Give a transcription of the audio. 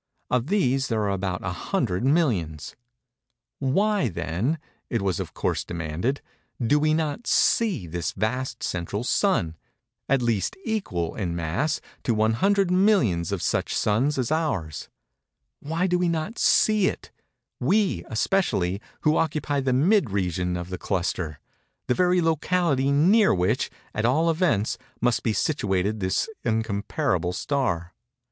Of these there are about 100 millions. "Why, then," it was of course demanded, "do we not see this vast central sun—at least equal in mass to 100 millions of such suns as ours—why do we not see it—we, especially, who occupy the mid region of the cluster—the very locality near which, at all events, must be situated this incomparable star?"